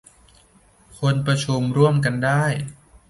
คนประชุมร่วมกันได้